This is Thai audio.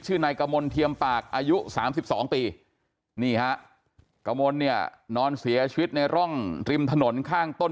นายกมลเทียมปากอายุ๓๒ปีนี่ฮะกระมวลเนี่ยนอนเสียชีวิตในร่องริมถนนข้างต้น